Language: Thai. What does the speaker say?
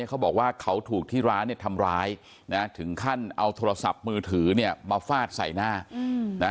เขาบอกว่าเขาถูกที่ร้านเนี่ยทำร้ายนะถึงขั้นเอาโทรศัพท์มือถือเนี่ยมาฟาดใส่หน้านะ